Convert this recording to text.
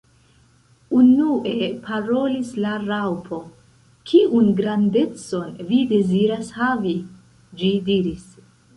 Unue parolis la Raŭpo. "Kiun grandecon vi deziras havi?" ĝi diris.